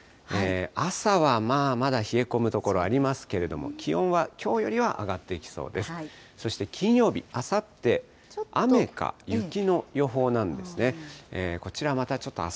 朝はまあ、まだ冷え込む所ありますけれども、気温はきょうよりは上がっていきそうです。